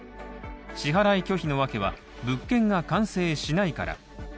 支払い拒否のわけは物件が完成しないから。